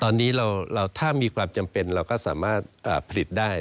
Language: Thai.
ตอนนี้ถ้ามีความจำเป็นเราก็สามารถผลิตได้